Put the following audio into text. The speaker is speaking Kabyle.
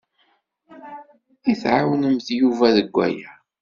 I tɛawnemt Yuba deg waya?